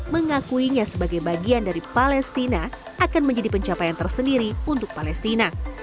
mengakuinya sebagai bagian dari palestina akan menjadi pencapaian tersendiri untuk palestina